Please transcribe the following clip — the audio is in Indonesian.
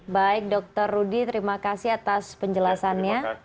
baik dokter rudy terima kasih atas penjelasannya